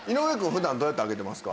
普段どうやって開けてますか？